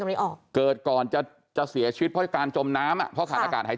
ไม่ออกเกิดก่อนจะจะเสียชีวิตเพราะการจมน้ำอ่ะเพราะขาดอากาศหาย